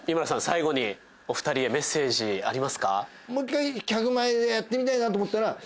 最後にお２人へメッセージありますか？